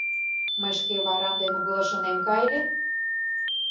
Мый шке варам дене угылыш ынем кай ыле